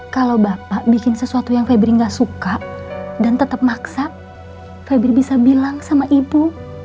kalau bapak bikin sesuatu yang febri nggak suka dan tetap maksa febri bisa bilang sama ibu